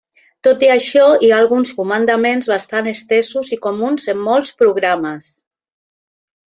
Tot i això hi ha alguns comandaments bastant estesos i comuns en molts programes.